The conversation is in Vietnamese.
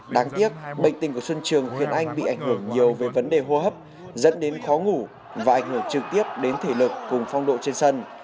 đáng tiếc bệnh tình của xuân trường huyền anh bị ảnh hưởng nhiều về vấn đề hô hấp dẫn đến khó ngủ và ảnh hưởng trực tiếp đến thể lực cùng phong độ trên sân